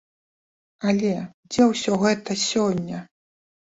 Але дзе ўсё гэта сёння?